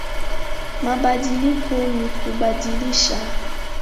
Mabadiliko ni kubadilisha